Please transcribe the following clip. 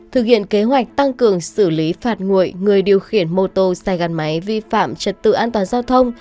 thực hiện kế hoạch tăng cường xử lý phạt nguội người điều khiển mô tô xe gắn máy vi phạm trật tự an toàn giao thông